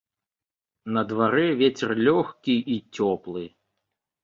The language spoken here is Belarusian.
На дварэ вецер лёгкі й цёплы.